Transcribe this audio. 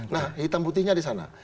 nah hitam putihnya disana